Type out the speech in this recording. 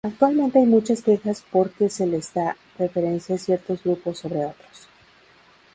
Actualmente hay muchas quejas porque se les da preferencia a ciertos grupos sobre otros.